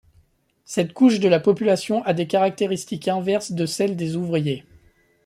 Cette couche de la population a des caractéristiques inverses de celles des ouvriers.